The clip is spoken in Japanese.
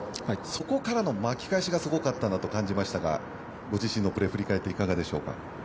そこからの巻き返しがすごかったなと感じましたがご自身のプレーを振り返っていかがでしたでしょうか。